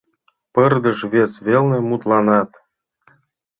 Пырдыж вес велне мутланат.